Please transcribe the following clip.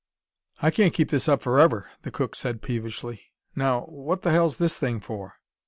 "I can't keep this up forever!" the cook said peevishly. "Now, what the hell's this thing for?"